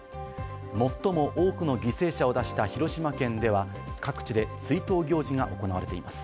最も多くの犠牲者を出した広島県では、各地で追悼行事が行われています。